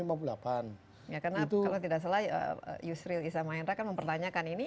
ya karena kalau tidak salah yusril iza mahendra kan mempertanyakan ini